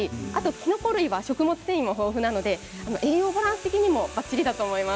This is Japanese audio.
きのこ類は食物繊維豊富なので栄養バランス的にもばっちりだと思います。